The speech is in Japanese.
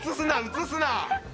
映すな！